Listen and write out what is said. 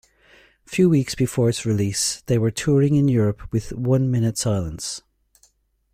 Few weeks before its release, they were touring in Europe with One Minute Silence.